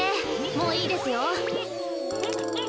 もういいですよ。